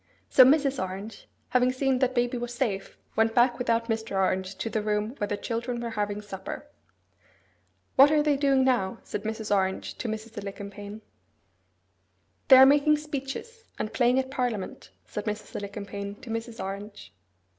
So Mrs. Orange, having seen that baby was safe, went back without Mr. Orange to the room where the children were having supper. 'What are they doing now?' said Mrs. Orange to Mrs. Alicumpaine. 'They are making speeches, and playing at parliament,' said Mrs. Alicumpaine to Mrs. Orange.